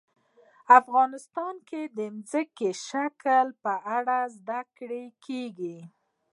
افغانستان کې د ځمکنی شکل په اړه زده کړه کېږي.